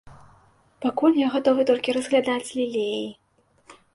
Пакуль я гатовы толькі разглядаць лілеі.